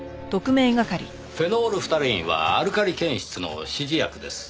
フェノールフタレインはアルカリ検出の指示薬です。